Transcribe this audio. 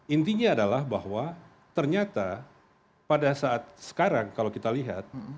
intinya adalah bahwa ternyata pada saat sekarang kalau kita lihat